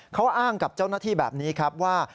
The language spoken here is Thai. เขาอ้างกับเจ้าหน้าที่แบบนี้ครับว่า